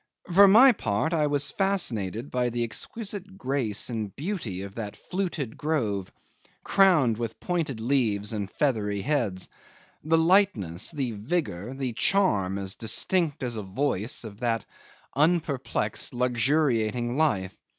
For my part, I was fascinated by the exquisite grace and beauty of that fluted grove, crowned with pointed leaves and feathery heads, the lightness, the vigour, the charm as distinct as a voice of that unperplexed luxuriating life.